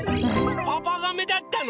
パパガメだったの？